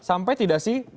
sampai tidak sih